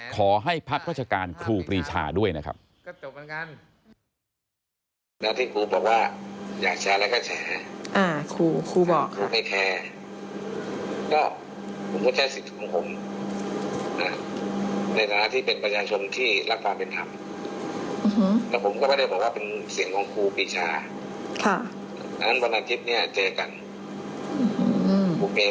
ขอให้พระราชการครูปรีชาด้วยนะครับ